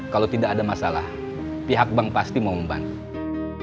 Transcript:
kalau tidak ada masalah pihak bank pasti mau membantu